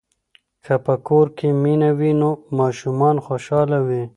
که په کور کې مینه وي نو ماشومان خوشاله وي.